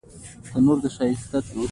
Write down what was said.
د ملایکو ټول صفتونه یې پایلوچانو ته ورکړي.